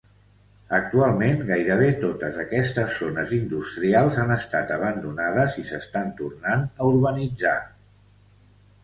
Actualment, gairebé totes aquestes zones industrials han estat abandonades i s'estan tornant a urbanitzar.